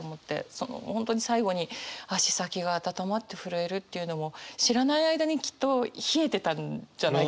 その本当に最後に「足先があたたまって、震える」っていうのも知らない間にきっと冷えてたんじゃないかと思うんです。